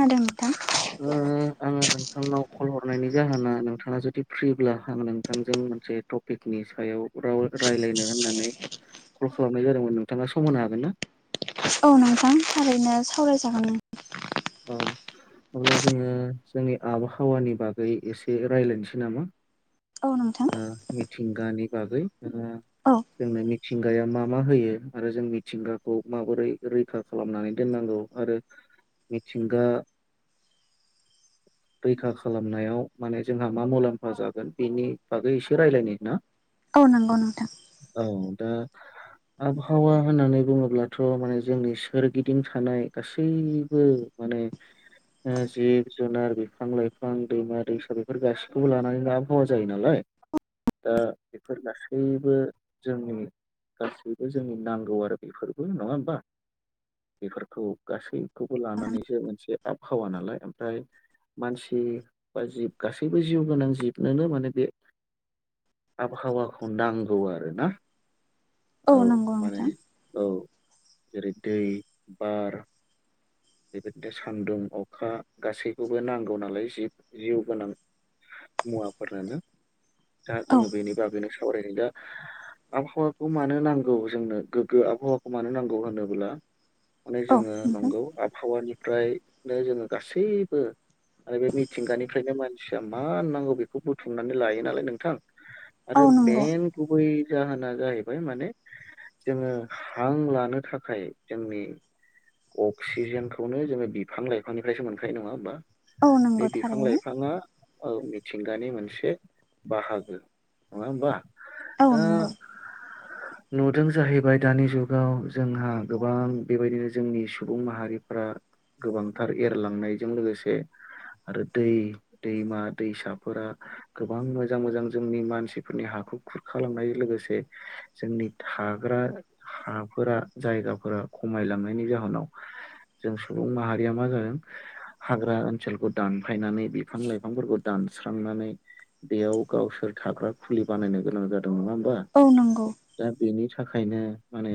खोनादों नोंथां आङो नोंथांनाव कल हरनायनि जाहोना नोंथाङा जुदि फ्रिब्ला आं नोंथांजों मोनसे टपिकनि सायाव रायलायनो होननानै कल खालामनाय जादोंमोन नोंथाङा सम होनो हागोन ना औ नोंथां थारैनो सावरायजागोन औ अब्ला जोङो जोंनि आबहावानि बागै एसे रायलायनोसै नामा औ नोंथां ओ मिथिंगानि बागै ओ औ जोंनो मिथिंगाया मा मा होयो आरो जों मिथिंगाखौ माबोरै रैखा खालामनानै दोननांगौ आरो मिथिंगा [inaudible] रैखा खालामनायाव माने जोंहा मा मुलाम्फा जागोन बेनि बागै इसे रायलायनि ना औ नंगौ नोंथां औ दा आबहावा होननानै बुङोब्लाथ' माने जोंनि सोरगिदिं थानाय गासैबो माने ओ जिब जुनार बिफां लाइफां दैमा दैसा बेफोर गासिखौबो लानानै आबहावा जायो नालाय दा बेफोर गासैबो जोंनि गासैबो जोंनि नांगौ आरो बेफोरबो नङा होमबा बेफोरखौ गासै खौबो लानानैसो मोनसे आबहावा नालाय ओमफ्राय मानसि बा जिब गासैबो जिउ गोनां जिबनोनो माने बे आबहावाखौ नांगौ आरो ना औ नंगौ नोंथां औ जेरै दै बार बेबायदिनो सान्दुं अखा गासैखौबो नांगौ नालाय जिब जिउ गोनां मुवाफोरानो दा औ जोङो बेनि बागैनो सावरायगोन दा आबहावाखौ मानो नांगौ जोंनो गोग्गो आबहावाखौ मानो नांगौ होनोब्ला माने औ जोङो नोंथां नंगौ आबहावानिफ्रायनो जोङो गासैबो आरो बे मिथिंगानिफ्रायनो मानसिया मा नांगौ बेखौ बुथुमनानै लायो नालाय नोंथां औ आरो नंगौ मेन गुबै जाहोना जाहैबाय माने जोङो हां लानो थाखाय जोंनि अक्सिजेनखौनो जोङो बिफां लाइफांनिफ्रायसो मोनखायो नङा होमबा औ नंगौ बे बिफां थारैनो लाइफाङा औ मिथिंगानि मोनसे बाहागो नङा होमबा औ दा नंगौ नुदों जाहैबाय दानि जुगाव जोंहा गोबां बेबायदिनो जोंनि सुबुं माहारि फोरा गोबांथार एरलांनायजों लोगोसे आरो दै दैमा दैसाफोरा गोबां मोजां मोजां जोंनि मानसिफोरनि हा खुर खुर खालांनायजों लोगोसे जोंनि थाग्रा हाफोरा जायगाफोराव खमायलांनायनि जाहोनाव जों सुबुं माहारिया मा जागोन हाग्रा ओनसोलखौ दानफायनानै बिफां लाइफांफोरखौ दान स्रांनानै बेयाव गावसोर थाग्रा खुलि बानायनो गोनां जादों द नङा होमबा औ नंगौ दा बेनि थाखायनो माने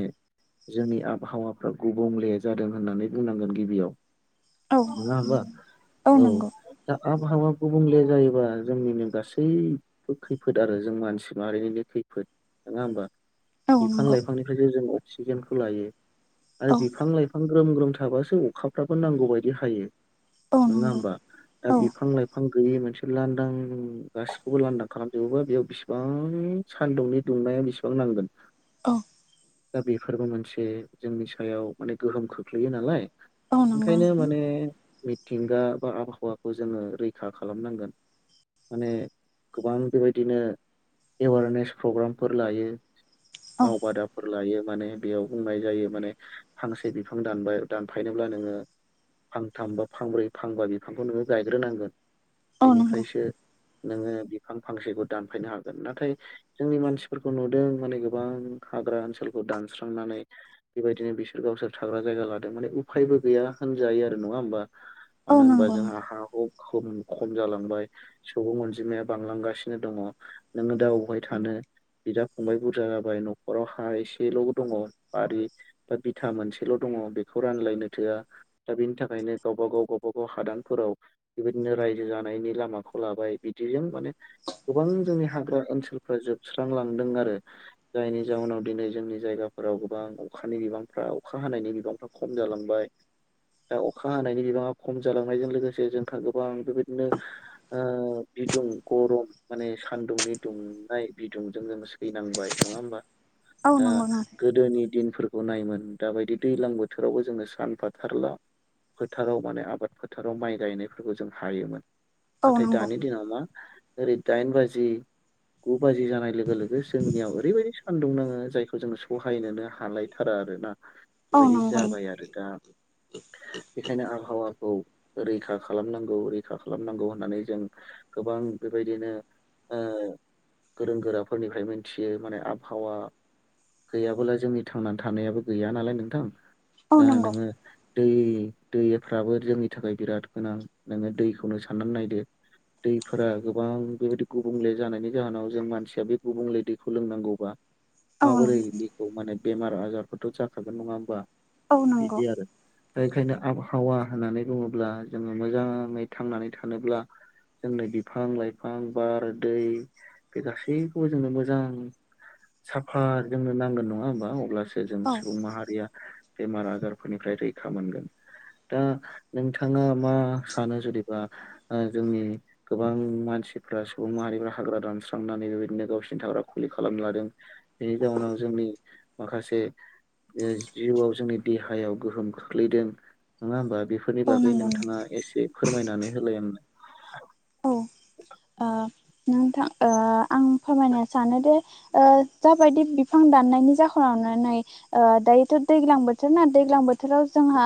जोंनि आबहावाफ्रा गुबुंले जादों होननानै बुंनांगोन गिबियाव औ नोङा होमबा नंगौ औ दा आबहावा गुबुंले जायोबा जोंनिनो गासैबो खैफोद आरो जों मानसि माहारिनिनो खैफोद नोङा होनबा औ बिफां नंगौ लाइफांनिफ्रायसो जों अक्सिजेनखौ लायो आरो औ बिफां लाइफां ग्रोम ग्रोम थाबासो अखाफ्राबो नांगौ बायदि हायो औ नङा नंगौ होमबा दा औ औ बिफां लाइफां गैयै मोनसे लांदां गासिखौबो लांदां खालामजोबोबा बेयाव बेसिबां सानदुंनि दुंनाय बेसेबां नांगोन औ दा बेफोरबो मोनसे जोंनि सायाव माने गोहोम खोख्लैयो नालाय औ नंगौ ओंखायनो नोंथां माने मि- थिंगा बा आबहावाखौ जोङो रैखा खालामनांगोन। माने गोबां बेबायदिनो एवारनेस प्रग्रामफोर लायो। औ मावबादाफोर लायो माने बेयाव बुंनाय जायो माने फांसे बिफां दानबाय दानफायनोब्ला नोङो फांथाम बा फांब्रै फांबा बिफांखौ नोङो गायग्रोनांगोन औ नंगौ बेनिफ्रायसो नोङो बिफां फांसेखौ दानफायनो हागोन नाथाय जोंनि मानसिफोरखौ नुदों माने गोबां हाग्रा ओनसोलखौ दानस्रांनानै बेबायदिनो बिसोर गावसोर थाग्रा जायगा लादों माने उफायबो गैया होनजायो आरो नङा होमबा औ मानो होनबा नंगौ जोंहा हु खम खम जालांबाय सुबुं अनजिमाया बांलांगासिनो दङ नोङो दा अबहाय थानो बिदा फंबाय बुरजा जाबाय न'खराव हा एसेल' दङ बारि बा बिथा मोनसे ल' दङ बेखौ रानलायनो थोआ दा बेनि थाखायनो गावब गाव गावबा गाव हादानफोराव बेबायदिनो रायजो जानायनि लामाखौ लाबाय बिदिजों माने गोबां जोंनि हाग्रा ओनसोलफोरा जोबस्रां लांदों आरो जायनि जाउनाव दिनै जोंनि जायगाफोराव गोबां अखानि बिबांफ्रा अखा हानायनि बिबांफ्रा खम जालांबाय। दा अखा हानायनि बिबाङा खम जालांनायजों लोगोसे जोंहा गोबां बेबायदिनो ओ बिदुं गरम माने सानदुंनि दुंनाय बिदुंजों जोङो सैनांबाय नङा होमबा औ दा नंगौ नोंथां गोदोनि दिनफोरखौ नायमोन दाबायदि दैलां बोथोरावबो जोङो सानफाथारला फोथाराव माने आबाद फोथाराव माइ गायनायफोरखौ जों हायोमोन औ नाथाय नंगौ दानि दिनाव मा ओरै दाइन बाजि गु बाजि जानाय लोगो लोगो जोंनियाव ओरैबायदि सानदुं नाङो जायखौ जोङो सहायनोनो हालायथारा आरोना। औ बेबायदि नंगौ जाबाय आरो दा बेखायनो आबहावा औ रैखा खालामनांगौ रैखा खालामनांगौ होननानै जों गोबां बेबायदिनो ओ गोरों गोराफोरनिफ्राय मोनथियो माने आबहावा गैयाब्ला जोंनि थांनानै थानायाबो गैया नालाय नोंथां औ दा नंगौ नोङो दै दैफ्राबो जोंनि थाखाय बिराद गोनां नोङो दैखौनो साननानै नायदो दैफोरा गोबां बेबायदि गुबुंले जानायनि जाहोनाव जों मानसिया बे गुबुंले दैखौ लोंनांगौबा औ माबोरै नंगौ बेखौ माने बेमार आजारफोरथ' जाखागोन नङा होमबा। औ नंगौ दा बेखायनो आबहावा होननानै बुङोब्ला जोङो मोजाङै थांनानै थानोब्ला जोंनो बिफां लाइफां बार दै बे गासैखौबो जोंनो मोजां साफा जोंनो नांगोन नङा होमबा अब्लासो जों औ सुबुं माहारिया बेमार आजारफोरनिफ्राय रैखा मोनगोन। दा नोंथाङा मा सानो जुदिबा ओ जोंनि गोबां मानसि सिफ्रा सुबुं माहारिफ्रा हाग्रा दानस्रांनानै बेबायदिनो गावसिनि थाग्रा खुलि खालामना लादों बेनि जाउनाव जों जोंनि माखासे ओ जिउआव जोंनि देहायाव गोहोम खोख्लैदों नोङा होमबा बेफोरनि औ बागै नंगौ नोंथां नोंथाङा एसे फोरमायनानै होलाय आंनो। औ ओ नोंथां ओ आं फोरमायनो सानोदे जाबायदि बिफां दाननायनि जाहोनावनो नै ओ दायोथ' दैलां बोथोर ना दैलां बोथोराव जोंहा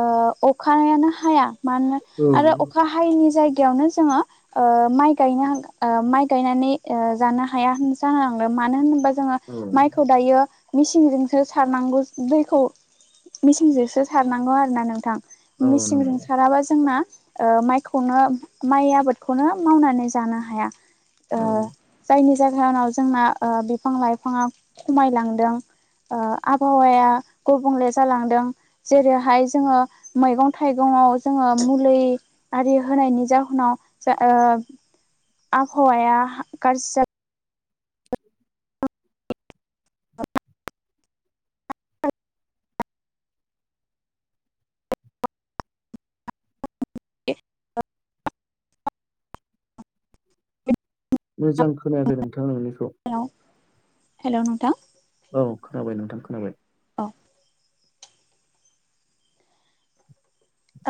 ओ ओ अखानायानो हाया मानोना औ आरो अखा हायैनि जायगायावनो जोङो ओ माइ गायनानै जानो हाया होन मानो होनोबा जों जोङो औ माइखौ दायो मेसिंजोंसो सारनांगौ दैखौ मेसिंजोंसो सारनांगौ आरोना नोंथां औ मिसिंजों नंगौ साराबा जोंना ओ माइखौनो माइ आबादखौनो मावनानै जानो हाया ओ औ जायनि जायनि जाउनाव जोंना ओ बिफां लाइफाङा खमायलांदों ओ आबहावाया गुबुंले जालांदों जेरैहाय जोङो मैगं थाइगं याव जोङो मुलै आरि होनायनि जाउनाव नाव ओ आबहावाया गाज्रि जाबाय मोजां खोनायाखै नोंथां नोंनिखौ हेलौ हेलौ नोंथां औ खोनाबाय नोंथां खोनाबाय औ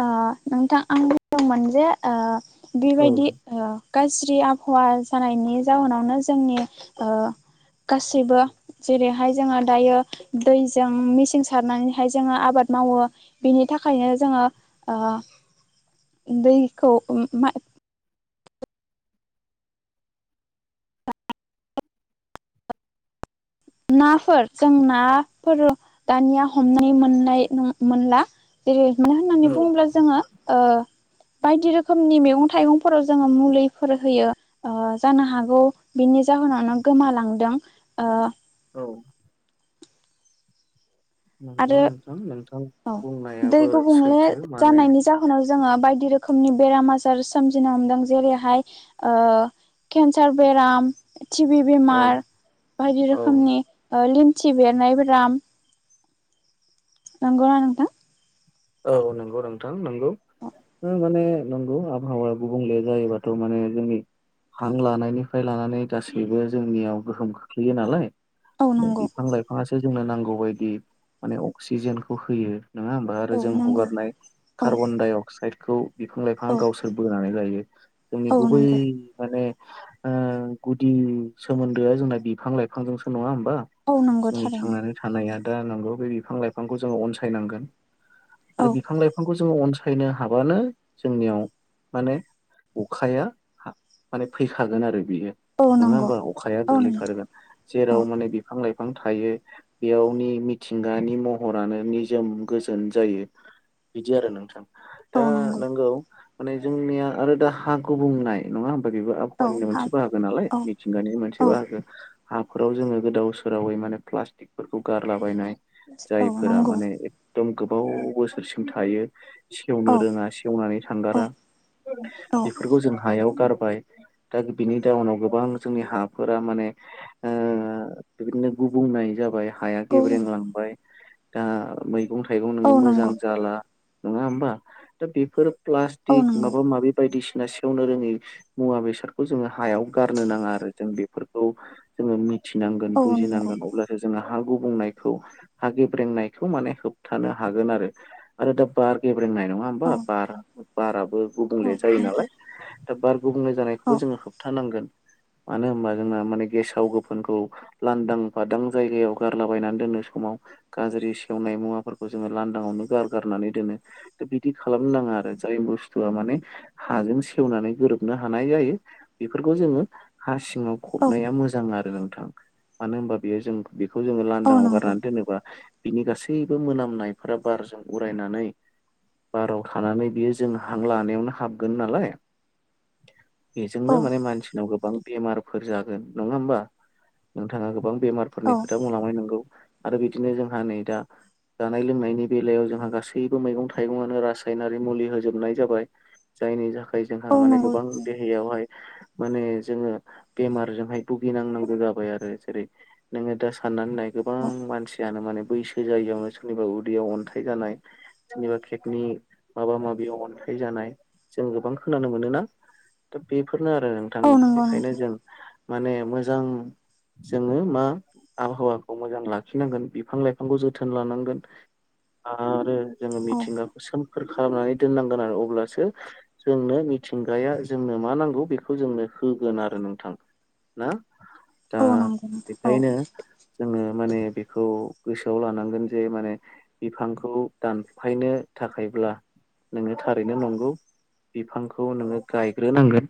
ओ नोंथां आं बुंदोंमोन जे ओ औ बेबायदि ओ गाज्रि आबहावा जानायनि जाहोनावनो जोंनि ओ गासैबो जेरैहाय जोङो दायो दैजों मेचिं सारनानैहाय जोङो आबाद मावो बिनि थाखायनो जोङो ओ दैखौ मा नाफोर जों नाफोर दानिया हमनाय मोननाय मोनला जेरै मानो होननानै औ बुङोब्ला जोङो ओ बायदि रोखोमनि मैगं थाइगंफोराव जोङो मुलिफोर होयो ओ जानो हागौ बेनि जा उनावनो गोमालांदों ओ औ नंगौ आरो नोंथां नोंथां औ दै बुंनायाबो गुबुंले सैथो माने जानायनि जाहोनाव जोङो बायदि रोखोमनि बेराम आजार सोमजिनो हमदों जेरैहाय ओ केन्सार बेराम टिभि औ बेमार बायदि औ रोखोमनि लिनथि बेरनाय बेराम नंगौना नोंथां औ नंगौ नोंथां नंगौ माने नंगौ आबहावा गुबुंले जायोबाथ' माने जोंनि हां लानायनिफ्राय लानानै गासैबो जोंनियाव गोहोम खोख्लैयो नालाय औ माने नंगौ बिफां लाइफाङासो जोंनो नांगौ बायदि माने अक्सिजेनखौ होयो नङा होमबब्ला औ जों नंगौ हगारनाय औ कार्बन डाइ अक्साइदखौ बिफां लाइफाङा औ गावसोर बोनानै लायो जोंनि औ गुबै नंगौ माने ओ गुदि सोमोनदोआ जोंना बिफां लाइफांजोंसो नङा होनबा औ बा नंगौ जोंनि थारैनो थांनानै थानाया दा नंगौ बे बिफां लाइफांखौ जोङो अनसायनांगोन आरो औ बिफां लाइफांखौ जोङो अनसायनो हाबानो जोंनियाव माने अखाया माने फैखागोन आरो बियो औ नङा नंगौ होमबा अखाया औ नंगौ गोग्लैखागोन जेराव औ माने बिफां लाइफ बिफां थायो बेयावनि मिथिंगानि महरानो निजोम गो जायो बिदि आरो नोंथां औ दा नंगौ नोंगौ माने जोंनिया आरो दा हा गुबनाय नङा होनबा बेबो औ आबहावानि हाब मोनसे बाहागो नालाय औ मिथिंगानि मोनसे औ बाहागो हाफोराव जोङो गोदाव सोरावै माने प्लास्टिकफोरखौ गारलाबायनाय औ जायफोरा नंगौ माने एकदम गोबाव बोसोरसिम थायो सेवनो औ रोङा सेवनानै औ थांगारा औ बेफोरखौ जों हायाव गारबाय दा बिनि जाउनाव गोबां जोंनि हाफोरा माने ओ बिदिनो गुबुंनाय जाबाय हाया औ गेब्रेंलांबाय दा मैगं थाइगं नोङो औ मोजां नंगौ जाला नङा होमबा दा बेफोर औ प्लास्टिक नंगौ माबा माबि बायदिसिना बिना सेवनो रोङै मुवा बेसादखौ जोङो हायाव गारनो नाङा आरो जों बेफोरखौ जोङो थिनांगोन औ नंगौ बुजिनांगोन अब्लासो जोङो हा गुब बुंनायखौ हा गेब्रेंनायखौ माने होब थानो हागोन आरो आरो दा बार गेब्रेंनाय नङा होमबा औ बार बाराबो औ गुबुंले जायो नोंथां नालाय दा बार गुबुंले औ जानायखौबो जोङो होबथानांगोन मानो होनबा जोंहा माने गेसाव गोफोनखौ लांदां फादां जायगायाव गारलाबायनानै दोनो समाव गाज्रि सेवनाय मुवाफोरखौ जोङो लांदांआवनो गारगारनानै दोनो बिदि खालामनो नाङा आरो जाय बुस्थुआ माने हाजों सेवनानै गोरोबनो हानाय जायो बेफोरखौ जोङो हा सिङाव औ फबनाया मोजां आरो नोंथां मानो होनबा बेयो जों बेखौ जोङो औ लांदांआव नंगौ गारनानै दोनोबा बिनि गासैबो मोनाम नायफोरा बारजों उरायनानै बाराव थानानै बियो जों हां लानायावनो हाबगोन नालाय [inaudible] बेजोंनो औ माने मानसिनाव गोबां बेमारफोर जागोन नङा होमबा नोंथाङा गोबां औ बेमारफोरनि खोथा बुंलांबाय नंगौ आरो बिदिनो जोंहा नै दा जानाय लोंनायनि बेलायाव जोंहा गासैबो मैगं थाइगंआनो रासायनारि मुलि होजोबनाय जाबाय जायनि थाखाय जोंहा औ माने नंगौ गोबां देहायावहाय माने जोङो बेमारजोंहाय भुगिनांनांगौ जाबाय आरो जेरै नोङो दा साननानै नाय गोबां औ मानसियानो माने बैसो जायियावनो सोरनिबा उदैयाव अन्थाइ जानाय सोरनिबा केकनि माबा माबियाव अन्थाइ जानाय जों गोबां खोनानो मोनोना दा बेफोरनो आरो नोंथां औ नंगौ बेखायनो नोंथां जों माने मोजां जोङो मा आबहावाखौ मोजां लाखिनांगोन बिफां लाइफांखौ जोथोन लानांगोन आरो जोङो औ मिथिंगाखौ सो खोर खालामनानै दोननांगोन आरो अब्लासो जोंनो मिथिंगाया जोंनो मा नांगौ बेखौ जोंनो होगोन आरो नोंथां ना दा औ नंगौ नोंथां औ बेखायनो जोङो माने बेखौ गोसोआव लानांगोन जे माने बिफांखौ दानफायनो थाखायब्ला नोङो थारैनो नंगौ बिफांखौ नोङो गायग्रोनांगोन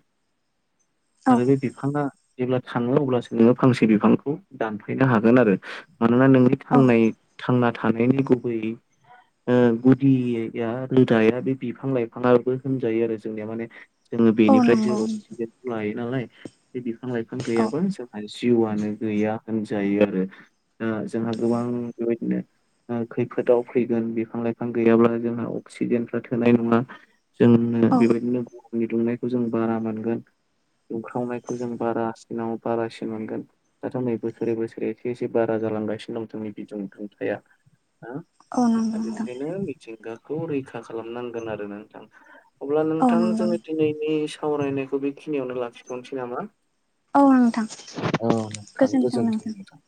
औ आरो बे बिफाङा जेब्ला थाङो अब्लासो नोङो फांसे बिफांखौ दानफायनो हागोन आरो मानोना नोंनि औ थांनाय थांना थानायनि गुबैयै ओ गुदिया रोदाया बे बिफां लाइफाङाबो होनजायो आरो जोंनिया माने जोङो औ बेनिफ्रायसो नंगौ अक्सिजेनखौ लायो नालाय बे बिफां लाइफां औ गैयाबा जों जिउआनो गैया होनजायो आरो दा जोंहा गोबां बेबायदिनो ओ खैफोदाव फैगोन बिफां लाइफां गैयाब्ला जोंहा अक्सिजेनफ्रा थोनाय नङा जोंनो औ बेबायदिनो गोहोनि दुंनायखौ जों बारा मोनगोन दुंखावनायखौ जों बारासिनाव बारासिन मोनगोन दाथ' नै बोसोरै बोसोरै एसे एसे बारा जालांगासिनो दं जोंनि बिुदुंनि दुंथाया औ दा नंगौ नोंथां बेखायनो मिथिंगाखौ रैखा खालामनांगोन आरो ना नोंथां अब्ला औ नोंथां नंगौ जोङो दिनैनि सावरायनायखौ बेखिनियावनो लाखिथ'नोसै नामा औ नोंथां गोजोनथों नोंथां